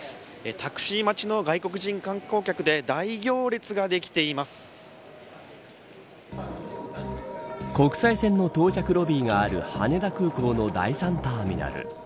タクシー待ちの外国人観光客の方で国際線の到着ロビーがある羽田空港の第３ターミナル。